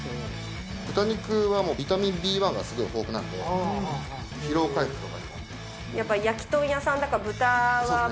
豚肉はもうビタミンＢ１がすごい豊富なんで、疲労回復とかにも。